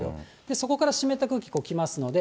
そこから湿った空気来ますので、